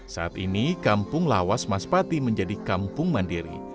saat ini kampung lawas mas pati menjadi kampung mandiri